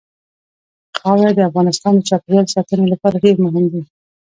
خاوره د افغانستان د چاپیریال ساتنې لپاره ډېر مهم دي.